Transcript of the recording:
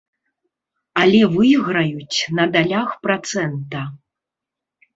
Але выйграюць на далях працэнта.